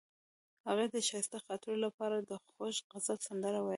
هغې د ښایسته خاطرو لپاره د خوږ غزل سندره ویله.